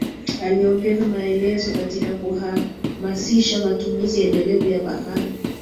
Aliongeza maelezo katika kuhamasisha matumizi endelevu ya bahari